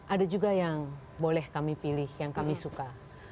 ada juga yang boleh kami pilih yang kami suka